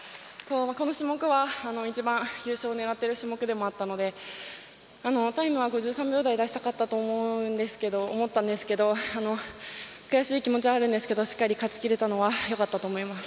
この種目は、一番優勝を狙っている種目でもあったのでタイムは５３秒台を出したかったと思ったんですけど悔しい気持ちはあるんですけどしっかり勝ちきれたのはよかったと思います。